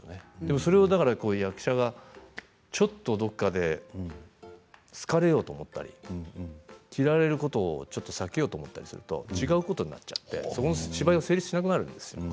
それを役者がちょっとどこかで好かれようと思ったり嫌われることを避けようと思ったりすると違うことになっちゃってその芝居が成立しなくなるんですよね。